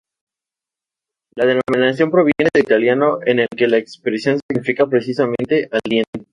La denominación proviene del italiano, en el que la expresión significa, precisamente, ""al diente"".